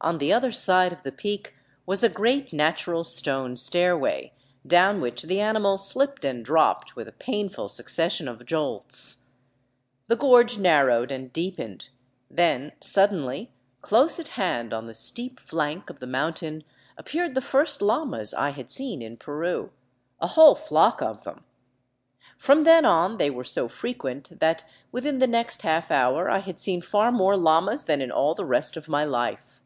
On the other side of the peak was a great natural stone stairway, down which the animal slipped and , dropped with a painful succession of jolts. The gorge narrowed and deepened ; then suddenly, close at hand on the steep flank of the moun tain, appeared the first llamas I had seen in Peru, a whole flock of them. From then on they were so frequent that within the next half l hour I had seen far more llamas than in all the rest of my life.